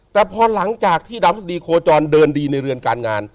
แต่พอหลังจากที่ดาวพฤษฎีโคจรเดินดีในเรือนการงาน